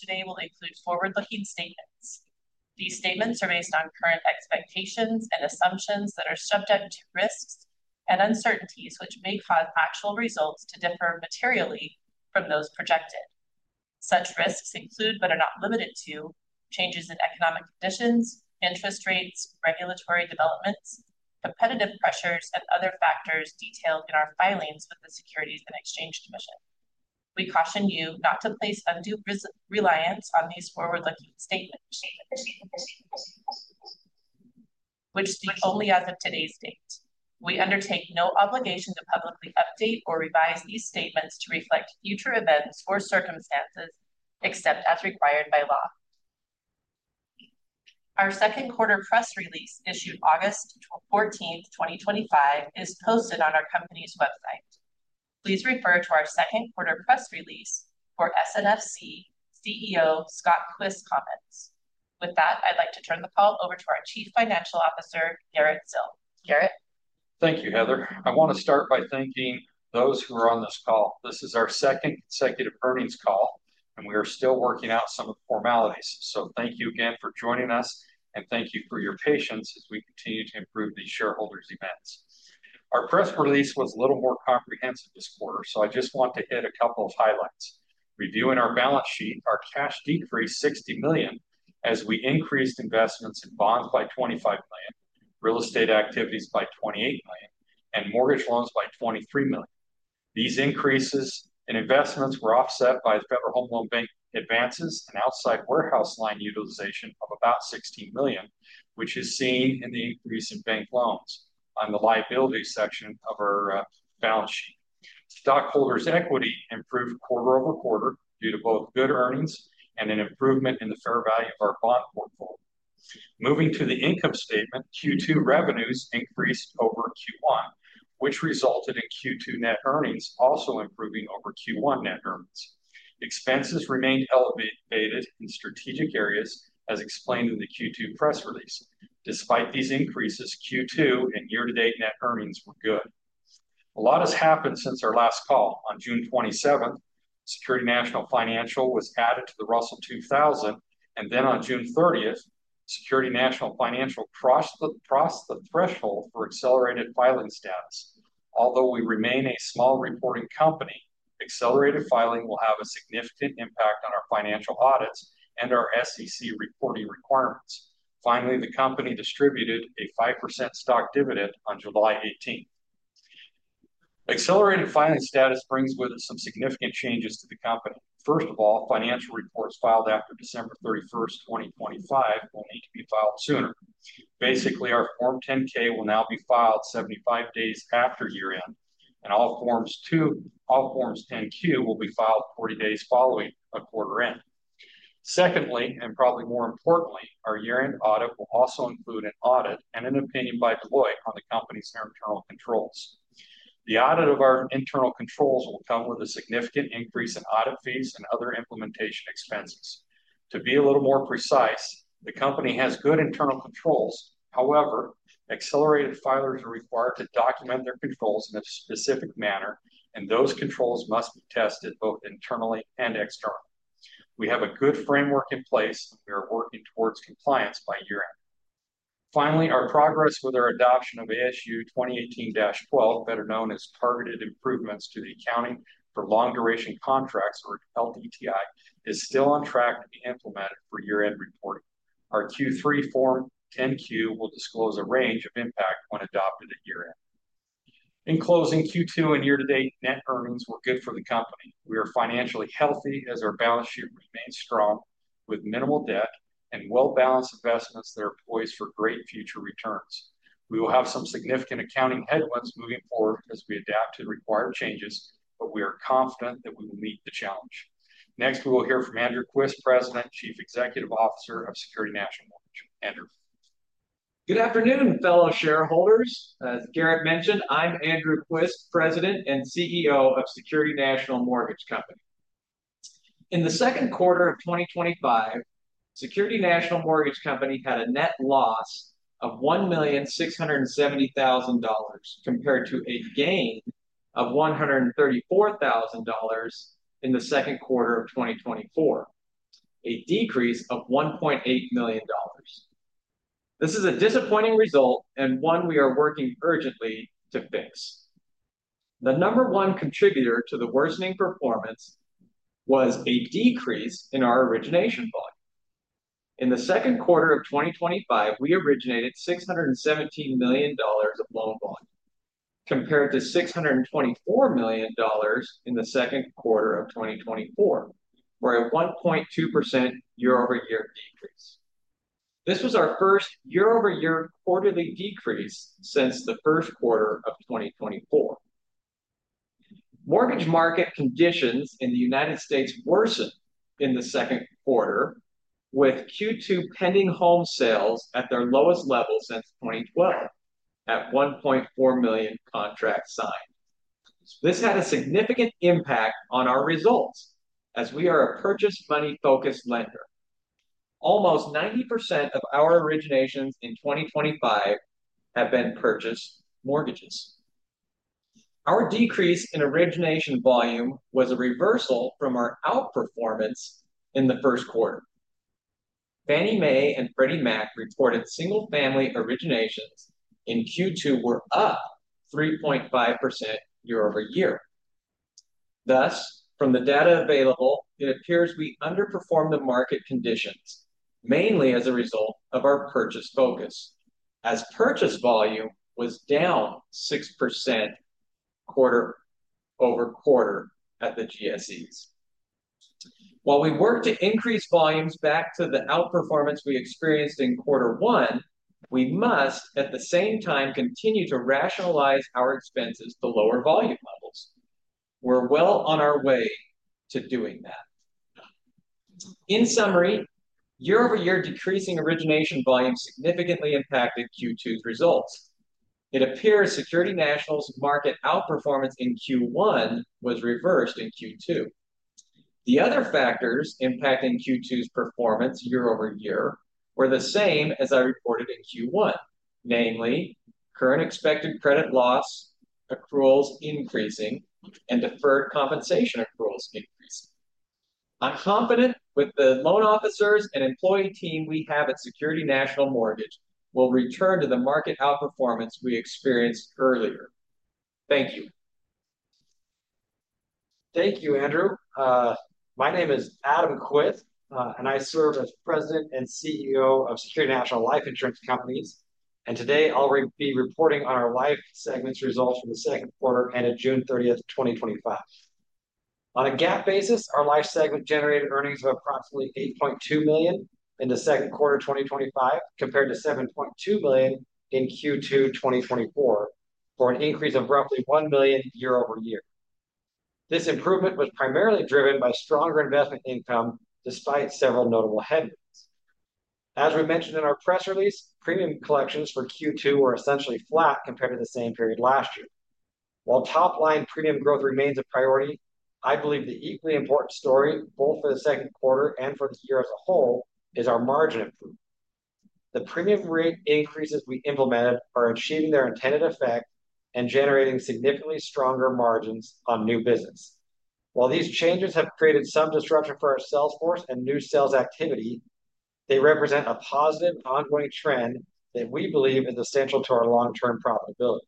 Today, we'll include forward-looking statements. These statements are based on current expectations and assumptions that are subject to risks and uncertainties, which may cause actual results to differ materially from those projected. Such risks include, but are not limited to, changes in economic conditions, interest rates, regulatory developments, competitive pressures, and other factors detailed in our filings with the Securities and Exchange Commission. We caution you not to place undue reliance on these forward-looking statements, which speak only as of today's date. We undertake no obligation to publicly update or revise these statements to reflect future events or circumstances except as required by law. Our second quarter press release issued August 14th, 2025, is posted on our company's website. Please refer to our second quarter press release for SNFC CEO Scott Quist's comments. With that, I'd like to turn the call over to our Chief Financial Officer, Garrett Sill. Garrett. Thank you, Heather. I want to start by thanking those who are on this call. This is our second executive earnings call, and we are still working out some of the formalities. Thank you again for joining us, and thank you for your patience as we continue to improve these shareholders' events. Our press release was a little more comprehensive this quarter, so I just want to hit a couple of highlights. Reviewing our balance sheet, our cash decreased $60 million as we increased investments in bonds by $25 million, real estate activities by $28 million, and mortgage loans by $23 million. These increases in investments were offset by the Federal Home Loan Bank advances and outside warehouse line utilization of about $16 million, which is seen in the increase in bank loans on the liability section of our balance sheet. Stockholders' equity improved quarter over quarter due to both good earnings and an improvement in the fair value of our bond portfolio. Moving to the income statement, Q2 revenues increased over Q1, which resulted in Q2 net earnings also improving over Q1 net earnings. Expenses remained elevated in strategic areas, as explained in the Q2 press release. Despite these increases, Q2 and year-to-date net earnings were good. A lot has happened since our last call. On June 27th, Security National Financial Corporation was added to the Russell 2000, and on June 30, Security National Financial crossed the threshold for accelerated filing status. Although we remain a small reporting company, accelerated filing will have a significant impact on our financial audits and our SEC reporting requirements. Finally, the company distributed a 5% stock dividend on July 18. Accelerated filing status brings with it some significant changes to the company. First of all, financial reports filed after December 31st, 2025, will need to be filed sooner. Basically, our Form 10-K will now be filed 75 days after year-end, and all Forms 10-Q will be filed 40 days following a quarter end. Secondly, and probably more importantly, our year-end audit will also include an audit and an opinion by Deloitte on the company's internal controls. The audit of our internal controls will come with a significant increase in audit fees and other implementation expenses. To be a little more precise, the company has good internal controls; however, accelerated filers are required to document their controls in a specific manner, and those controls must be tested both internally and externally. We have a good framework in place, and we are working towards compliance by year-end. Finally, our progress with our adoption of ASU 2018-12, better known as Targeted Improvements to the Accounting for Long-Duration Contracts, or LDTI, is still on track to be implemented for year-end reporting. Our Q3 Form 10-Q will disclose a range of impact when adopted at year-end. In closing, Q2 and year-to-date net earnings were good for the company. We are financially healthy as our balance sheet remains strong with minimal debt and well-balanced investments that are poised for great future returns. We will have some significant accounting headwinds moving forward as we adapt to the required changes, but we are confident that we will meet the challenge. Next, we will hear from Andrew Quist, President, Chief Executive Officer of Security National Mortgage Company. Andrew. Good afternoon, fellow shareholders. As Garrett mentioned, I'm Andrew Quist, President and CEO of Security National Mortgage Company. In the second quarter of 2025, Security National Mortgage Company had a net loss of $1.67 million compared to a gain of $134,000 in the second quarter of 2024, a decrease of $1.8 million. This is a disappointing result and one we are working urgently to fix. The number one contributor to the worsening performance was a decrease in our origination volume. In the second quarter of 2025, we originated $617 million of loan volume, compared to $624 million in the second quarter of 2024, for a 1.2% year-over-year decrease. This was our first year-over-year quarterly decrease since the first quarter of 2024. Mortgage market conditions in the United States worsened in the second quarter, with Q2 pending home sales at their lowest level since 2012, at 1.4 million contracts signed. This had a significant impact on our results as we are a purchase money-focused lender. Almost 90% of our originations in 2025 have been purchase mortgages. Our decrease in origination volume was a reversal from our outperformance in the first quarter. Fannie Mae and Freddie Mac reported single-family originations in Q2 were up 3.5% year-over-year. Thus, from the data available, it appears we underperformed the market conditions, mainly as a result of our purchase focus, as purchase volume was down 6% quarter-over-quarter at the GSEs. While we work to increase volumes back to the outperformance we experienced in quarter one, we must, at the same time, continue to rationalize our expenses to lower volume levels. We're well on our way to doing that. In summary, year-over-year decreasing origination volume significantly impacted Q2's results. It appears Security National's market outperformance in Q1 was reversed in Q2. The other factors impacting Q2's performance year-over-year were the same as I reported in Q1, namely current expected credit loss accruals increasing and deferred compensation accruals increasing. I'm confident with the loan officers and employee team we have at Security National Mortgage, we'll return to the market outperformance we experienced earlier. Thank you. Thank you, Andrew. My name is Adam Quist, and I serve as President and CEO of Security National Life Insurance Company, and today I'll be reporting on our life segment's results for the second quarter ended June 30th, 2025. On a GAAP basis, our life segment generated earnings of approximately $8.2 million in the second quarter of 2025 compared to $7.2 million in Q2 2024, for an increase of roughly $1 million year-over-year. This improvement was primarily driven by stronger investment income despite several notable headwinds. As we mentioned in our press release, premium collections for Q2 were essentially flat compared to the same period last year. While top-line premium growth remains a priority, I believe the equally important story, both for the second quarter and for the year as a whole, is our margin improvement. The premium rate increases we implemented are achieving their intended effect and generating significantly stronger margins on new business. While these changes have created some disruption for our sales force and new sales activity, they represent a positive ongoing trend that we believe is essential to our long-term profitability.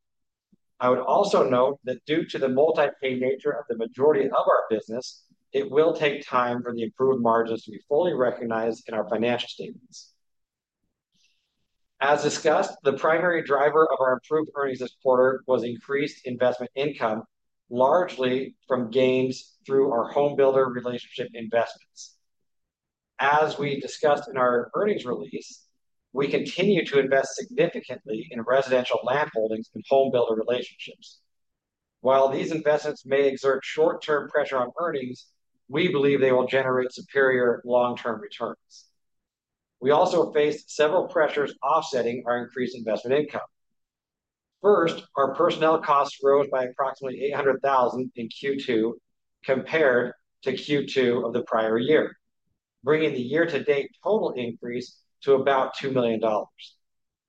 I would also note that due to the multi-pay nature of the majority of our business, it will take time for the improved margins to be fully recognized in our financial statements. As discussed, the primary driver of our improved earnings this quarter was increased investment income, largely from gains through our home builder relationship investments. As we discussed in our earnings release, we continue to invest significantly in residential land holdings and home builder relationships. While these investments may exert short-term pressure on earnings, we believe they will generate superior long-term returns. We also face several pressures offsetting our increased investment income. First, our personnel costs rose by approximately $800,000 in Q2 compared to Q2 of the prior year, bringing the year-to-date total increase to about $2 million.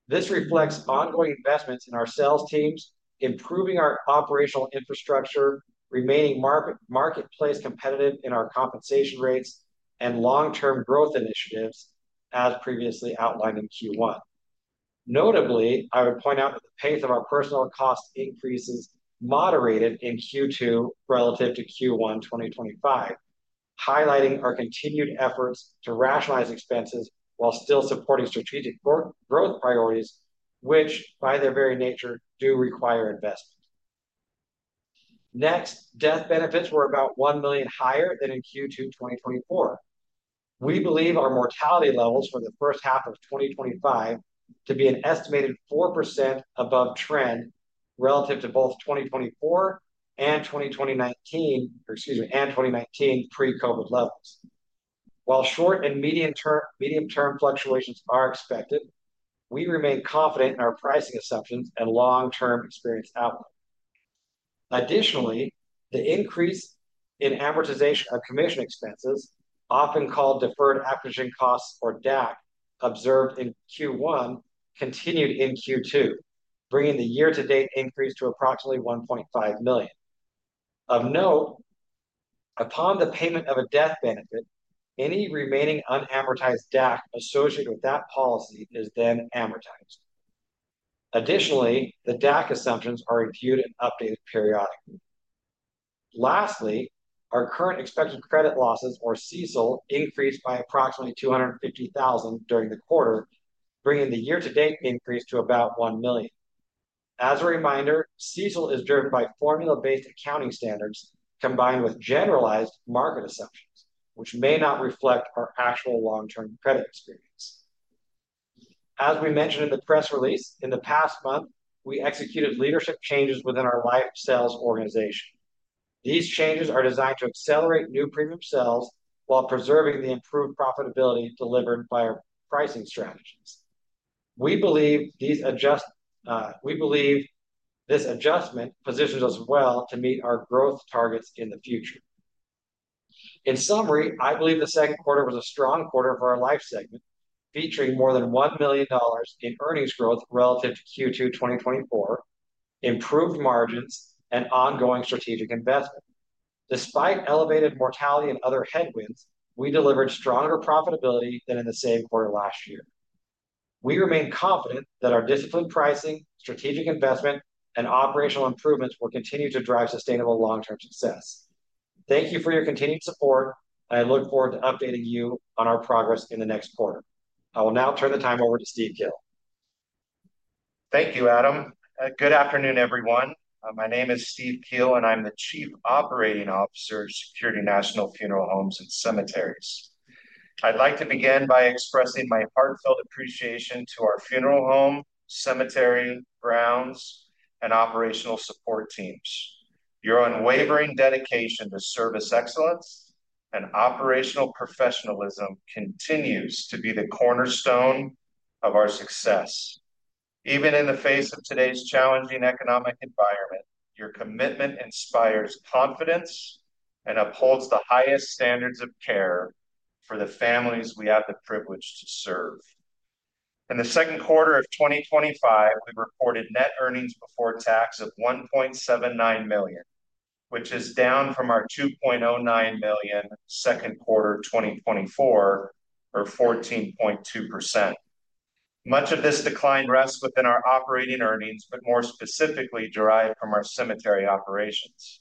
This reflects ongoing investments in our sales teams, improving our operational infrastructure, remaining marketplace competitive in our compensation rates, and long-term growth initiatives as previously outlined in Q1. Notably, I would point out that the pace of our personnel cost increases moderated in Q2 relative to Q1 2025, highlighting our continued efforts to rationalize expenses while still supporting strategic growth priorities, which by their very nature do require investment. Next, death benefits were about $1 million higher than in Q2 2024. We believe our mortality levels for the first half of 2025 to be an estimated 4% above trend relative to both 2024 and 2019, and 2019 pre-COVID levels. While short and medium-term fluctuations are expected, we remain confident in our pricing assumptions and long-term experience outlined. Additionally, the increase in amortization of commission expenses, often called deferred acquisition costs or DAC, observed in Q1 continued in Q2, bringing the year-to-date increase to approximately $1.5 million. Of note, upon the payment of a death benefit, any remaining unamortized DAC associated with that policy is then amortized. Additionally, the DAC assumptions are reviewed and updated periodically. Lastly, our current expected credit losses, or CCL, increased by approximately $250,000 during the quarter, bringing the year-to-date increase to about $1 million. As a reminder, CCL is driven by formula-based accounting standards combined with generalized market assumptions, which may not reflect our actual long-term credit experience. As we mentioned in the press release, in the past month, we executed leadership changes within our life sales organization. These changes are designed to accelerate new premium sales while preserving the improved profitability delivered by our pricing strategies. We believe this adjustment positions us well to meet our growth targets in the future. In summary, I believe the second quarter was a strong quarter for our life segment, featuring more than $1 million in earnings growth relative to Q2 2024, improved margins, and ongoing strategic investments. Despite elevated mortality and other headwinds, we delivered stronger profitability than in the same quarter last year. We remain confident that our disciplined pricing, strategic investment, and operational improvements will continue to drive sustainable long-term success. Thank you for your continued support, and I look forward to updating you on our progress in the next quarter. I will now turn the time over to Steve Keel. Thank you, Adam. Good afternoon, everyone. My name is Steve Keel, and I'm the Chief Operating Officer of Security National Funeral Homes and Cemeteries. I'd like to begin by expressing my heartfelt appreciation to our funeral home, cemetery, grounds, and operational support teams. Your unwavering dedication to service excellence and operational professionalism continues to be the cornerstone of our success. Even in the face of today's challenging economic environment, your commitment inspires confidence and upholds the highest standards of care for the families we have the privilege to serve. In the second quarter of 2025, we recorded net earnings before tax of $1.79 million, which is down from our $2.09 million second quarter of 2024, or 14.2%. Much of this decline rests within our operating earnings, but more specifically derived from our cemetery operations.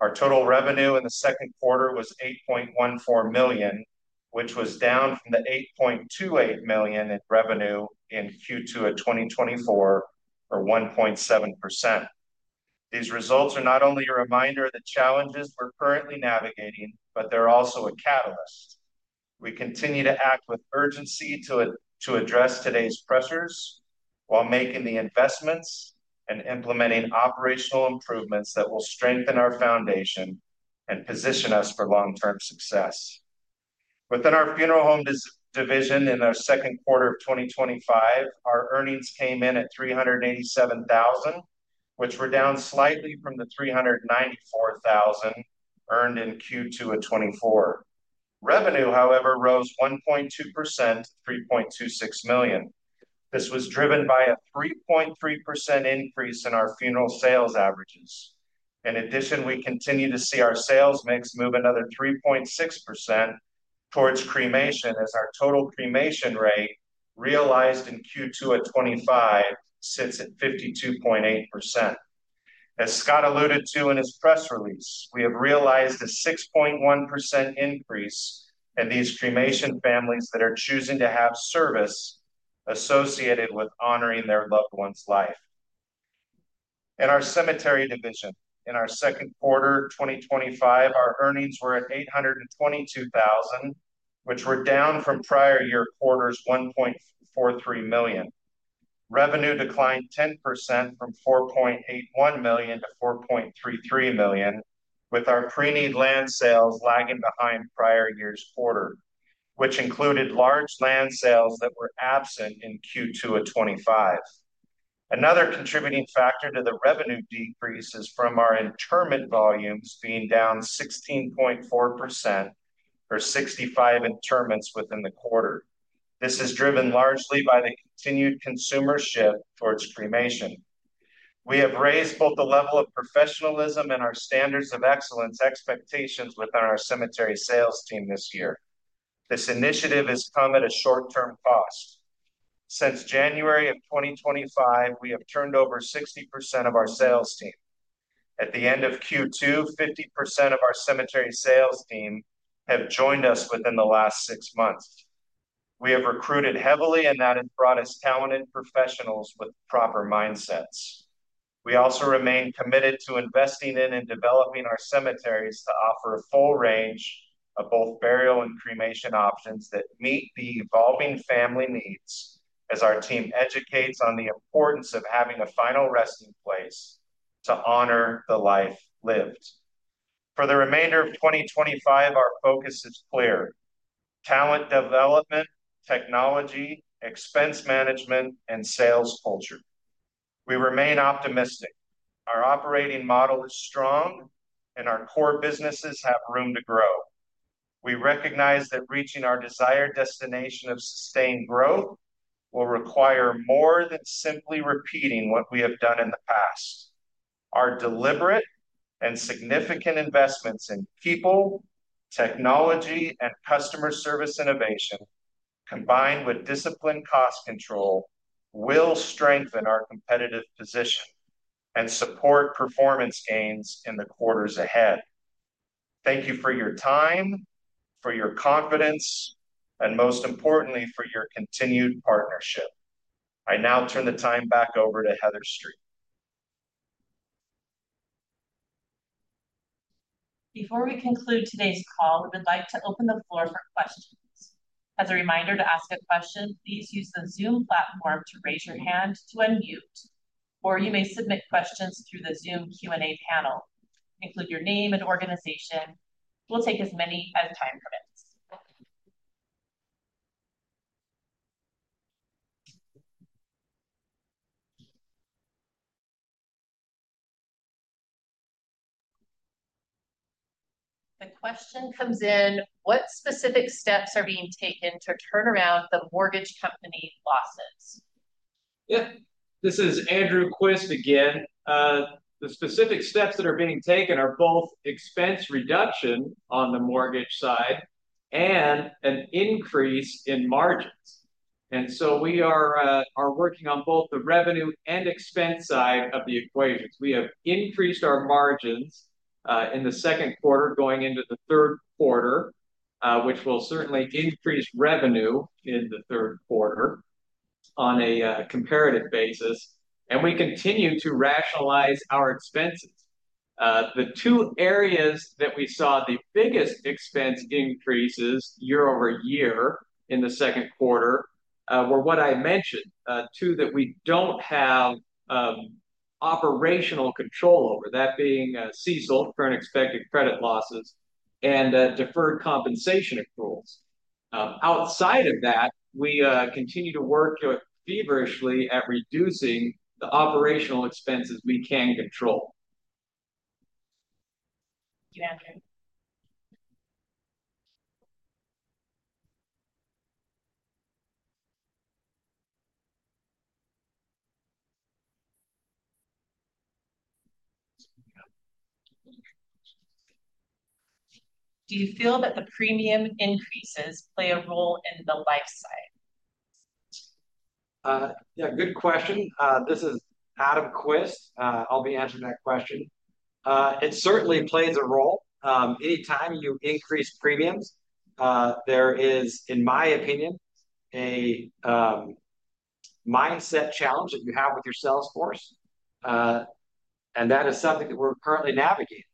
Our total revenue in the second quarter was $8.14 million, which was down from the $8.28 million in revenue in Q2 of 2024, or 1.7%. These results are not only a reminder of the challenges we're currently navigating, but they're also a catalyst. We continue to act with urgency to address today's pressures while making the investments and implementing operational improvements that will strengthen our foundation and position us for long-term success. Within our funeral home division in our second quarter of 2025, our earnings came in at $387,000, which were down slightly from the $394,000 earned in Q2 of 2024. Revenue, however, rose 1.2% to $3.26 million. This was driven by a 3.3% increase in our funeral sales averages. In addition, we continue to see our sales mix move another 3.6% towards cremation as our total cremation rate realized in Q2 of 2025 sits at 52.8%. As Scott alluded to in his press release, we have realized a 6.1% increase in these cremation families that are choosing to have service associated with honoring their loved one's life. In our cemetery division, in our second quarter of 2025, our earnings were at $822,000, which were down from prior year quarter's $1.43 million. Revenue declined 10% from $4.81 million to $4.33 million, with our pre-need land sales lagging behind prior year's quarter, which included large land sales that were absent in Q2 of 2025. Another contributing factor to the revenue decrease is from our interment volumes being down 16.4% for 65 interments within the quarter. This is driven largely by the continued consumer shift towards cremation. We have raised both the level of professionalism and our standards of excellence expectations within our cemetery sales team this year. This initiative has come at a short-term cost. Since January of 2024, we have turned over 60% of our sales team. At the end of Q2, 50% of our cemetery sales team have joined us within the last six months. We have recruited heavily and that brought us talented professionals with proper mindsets. We also remain committed to investing in and developing our cemeteries to offer a full range of both burial and cremation options that meet the evolving family needs as our team educates on the importance of having a final resting place to honor the life lived. For the remainder of 2025, our focus is clear: talent development, technology, expense management, and sales culture. We remain optimistic. Our operating model is strong, and our core businesses have room to grow. We recognize that reaching our desired destination of sustained growth will require more than simply repeating what we have done in the past. Our deliberate and significant investments in people, technology, and customer service innovation, combined with disciplined cost control, will strengthen our competitive position and support performance gains in the quarters ahead. Thank you for your time, for your confidence, and most importantly, for your continued partnership. I now turn the time back over to Heather Street. Before we conclude today's call, we would like to open the floor for questions. As a reminder, to ask a question, please use the Zoom platform to raise your hand to unmute, or you may submit questions through the Zoom Q&A panel. Include your name and organization. We'll take as many as time permits. The question comes in: what specific steps are being taken to turn around the mortgage company losses? Yeah, this is Andrew Quist again. The specific steps that are being taken are both expense reduction on the mortgage side and an increase in margins. We are working on both the revenue and expense side of the equation. We have increased our margins in the second quarter going into the third quarter, which will certainly increase revenue in the third quarter on a comparative basis. We continue to rationalize our expenses. The two areas that we saw the biggest expense increases year over year in the second quarter were what I mentioned, two that we don't have operational control over, that being CCL, current expected credit losses, and deferred compensation accruals. Outside of that, we continue to work feverishly at reducing the operational expenses we can control. Do you feel that the premium rate increases play a role in the life side? Yeah, good question. This is Adam Quist. I'll be answering that question. It certainly plays a role. Anytime you increase premiums, there is, in my opinion, a mindset challenge that you have with your sales force, and that is something that we're currently navigating.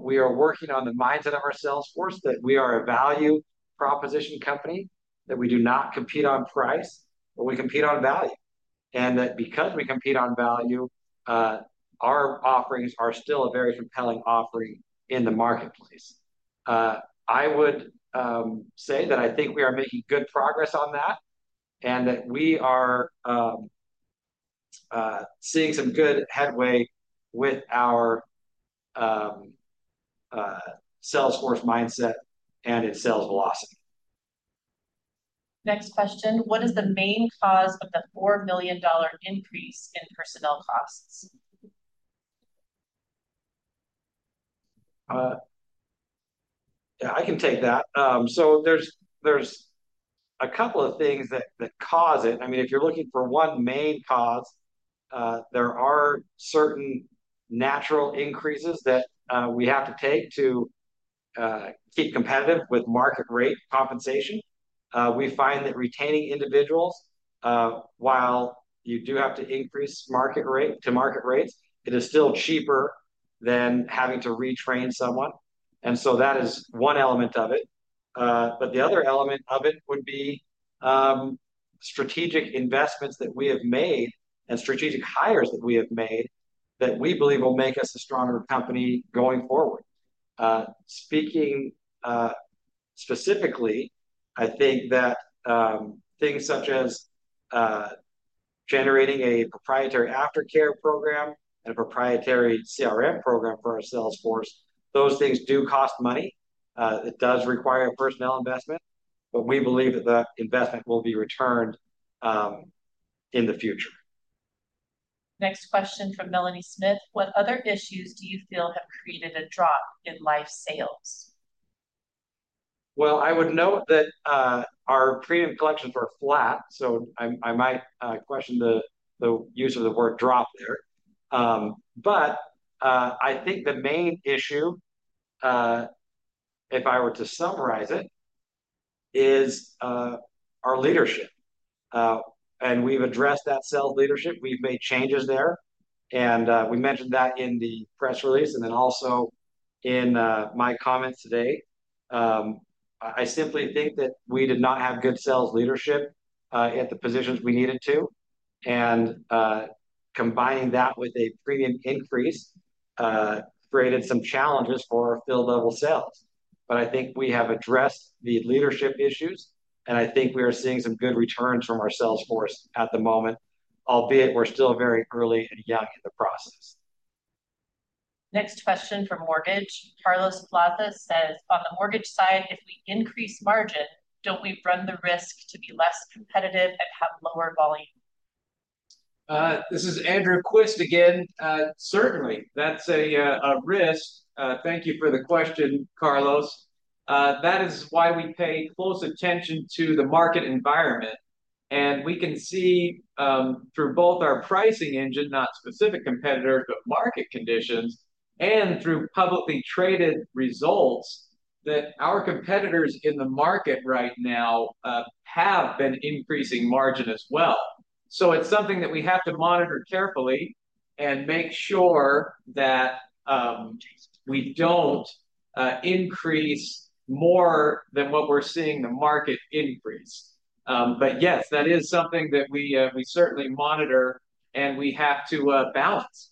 We are working on the mindset of our sales force that we are a value proposition company, that we do not compete on price, but we compete on value. Because we compete on value, our offerings are still a very compelling offering in the marketplace. I would say that I think we are making good progress on that and that we are seeing some good headway with our sales force mindset and its sales velocity. Next question: What is the main cause of the $4 million increase in personnel costs? I can take that. There are a couple of things that cause it. If you're looking for one main cause, there are certain natural increases that we have to take to keep competitive with market rate compensation. We find that retaining individuals, while you do have to increase to market rates, is still cheaper than having to retrain someone. That is one element of it. The other element would be strategic investments that we have made and strategic hires that we have made that we believe will make us a stronger company going forward. Speaking specifically, I think that things such as generating a proprietary aftercare program and a proprietary CRM program for our sales force do cost money. It does require a personnel investment, but we believe that the investment will be returned in the future. Next question from Melanie Smith: what other issues do you feel have created a drop in life sales? I would note that our premium collections were flat, so I might question the use of the word drop there. I think the main issue, if I were to summarize it, is our leadership. We've addressed that sales leadership. We've made changes there. We mentioned that in the press release and also in my comments today. I simply think that we did not have good sales leadership at the positions we needed to. Combining that with a premium increase created some challenges for our field-level sales. I think we have addressed the leadership issues, and I think we are seeing some good returns from our sales force at the moment, albeit we're still very early and young in the process. Next question from mortgage. Carlos López says: On the mortgage side, if we increase margins, don't we run the risk to be less competitive and have lower volume? This is Andrew Quist again. Certainly, that's a risk. Thank you for the question, Carlos. That is why we pay close attention to the market environment. We can see through both our pricing engine, not specific competitors, but market conditions, and through publicly traded results that our competitors in the market right now have been increasing margin as well. It is something that we have to monitor carefully and make sure that we don't increase more than what we're seeing the market increase. Yes, that is something that we certainly monitor and we have to balance.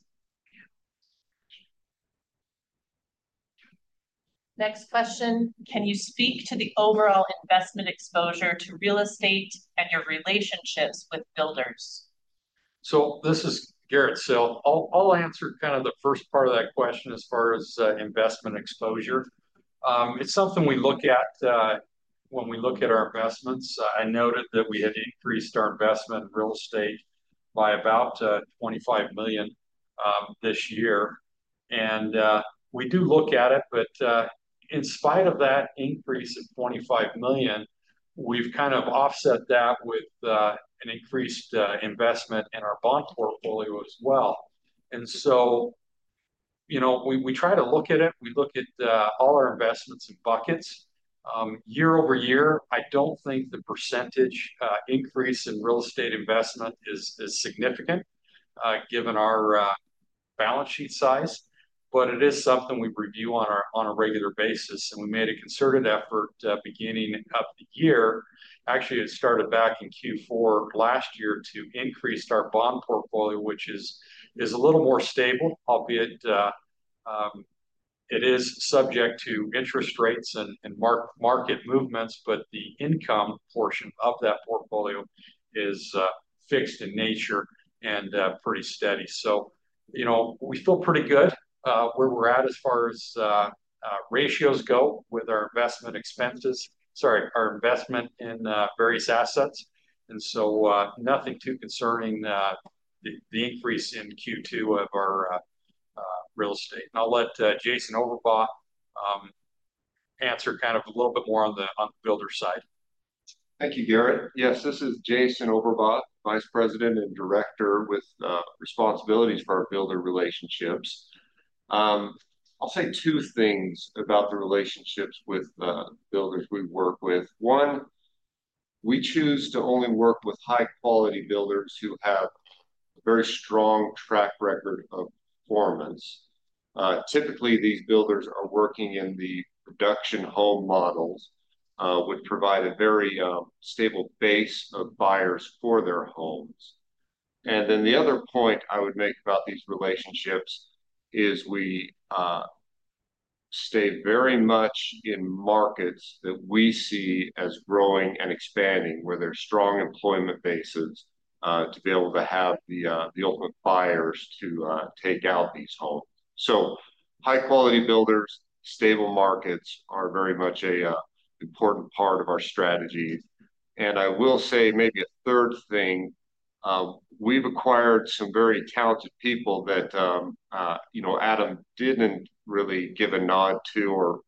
Next question, can you speak to the overall investment exposure to real estate and your relationships with builders? This is Garrett Sill. I'll answer kind of the first part of that question as far as investment exposure. It's something we look at when we look at our investments. I noted that we had increased our investment in real estate by about $25 million this year. We do look at it, but in spite of that increase of $25 million, we've kind of offset that with an increased investment in our bond portfolio as well. We try to look at it. We look at all our investments in buckets. Year over year, I don't think the percentage increase in real estate investment is significant given our balance sheet size. It is something we review on a regular basis. We made a concerted effort beginning of the year. Actually, it started back in Q4 last year to increase our bond portfolio, which is a little more stable, albeit it is subject to interest rates and market movements. The income portion of that portfolio is fixed in nature and pretty steady. We feel pretty good where we're at as far as ratios go with our investment expenses, sorry, our investment in various assets. Nothing too concerning the increase in Q2 of our real estate. I'll let Jason Oberbach answer kind of a little bit more on the builder side. Thank you, Garrett. Yes, this is Jason Oberbach, Vice President and Director with responsibilities for our builder relationships. I'll say two things about the relationships with builders we work with. One, we choose to only work with high-quality builders who have a very strong track record of performance. Typically, these builders are working in the production home models, which provide a very stable base of buyers for their homes. The other point I would make about these relationships is we stay very much in markets that we see as growing and expanding, where there's strong employment bases to be able to have the ultimate buyers to take out these homes. High-quality builders and stable markets are very much an important part of our strategy. I will say maybe a third thing, we've acquired some very talented people that, you know, Adam didn't really give a nod to, or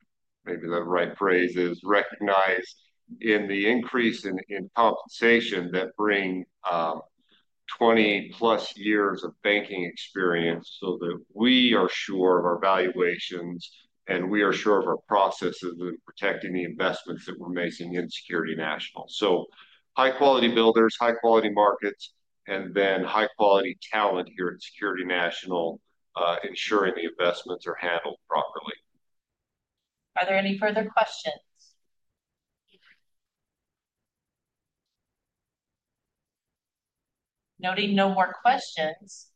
maybe the right phrase is recognize in the increase in compensation that bring 20-plus years of banking experience so that we are sure of our valuations and we are sure of our processes in protecting the investments that we're making in Security National. High-quality builders, high-quality markets, and then high-quality talent here at Security National ensuring the investments are handled properly. Are there any further questions? Noting no more questions.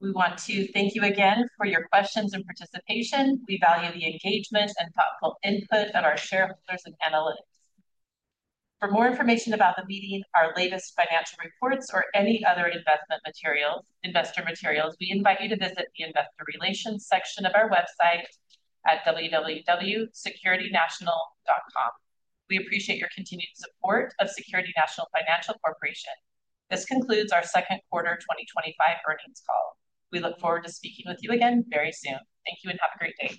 We want to thank you again for your questions and participation. We value the engagement and thoughtful input of our shareholders and panelists. For more information about the meeting, our latest financial reports, or any other investment materials, we invite you to visit the Investor Relations section of our website at www.securitynational.com. We appreciate your continued support of Security National Financial Corporation. This concludes our second quarter 2025 earnings call. We look forward to speaking with you again very soon. Thank you and have a great day.